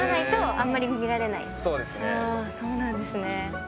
ああそうなんですね。